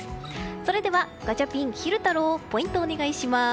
それではガチャピン、昼太郎ポイントをお願いします。